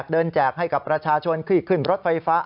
แจกให้กับประชาชนที่ขึ้นรถไฟฟ้า